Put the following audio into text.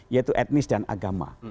yaitu etnis dan agama